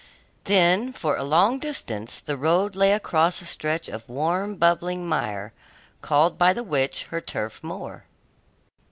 Then, for a long distance, the road lay across a stretch of warm, bubbling mire, called by the witch her turf moor.